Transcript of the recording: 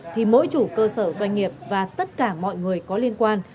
thì mỗi chủ cơ sở doanh nghiệp và tất cả mọi người có liên quan